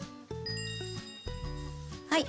はい。